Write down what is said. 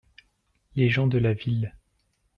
Les gens de la ville.